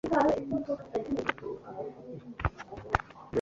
Assist in negotiation and drafting of mining agreements